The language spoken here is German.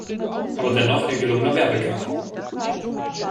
Aber dennoch ein gelungener Werbegag.